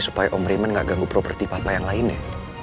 supaya om raymond gak ganggu properti papa yang lainnya